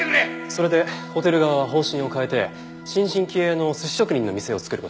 それでホテル側は方針を変えて新進気鋭の寿司職人の店を作る事にしました。